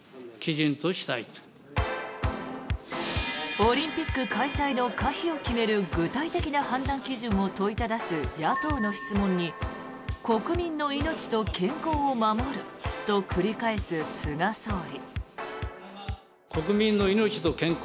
オリンピック開催の可否を決める具体的な判断基準を問いただす野党の質問に国民の命と健康を守ると繰り返す菅総理。